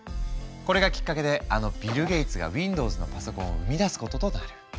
これがきっかけであのビル・ゲイツがウィンドウズのパソコンを生み出すこととなる。